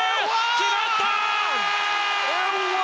決まった！